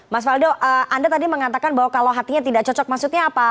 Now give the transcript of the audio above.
mas faldo anda tadi mengatakan bahwa kalau hatinya tidak cocok maksudnya apa